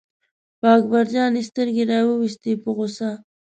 په اکبر جان یې سترګې را وویستې په غوسه.